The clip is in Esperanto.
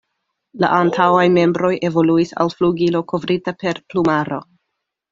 La antaŭaj membroj evoluis al flugilo kovrita per plumaro.